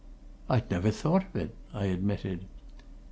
"I'd never thought of it," I admitted.